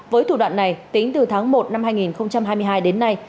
với thủ đoạn này tính từ tháng một năm hai nghìn hai mươi hai đến nay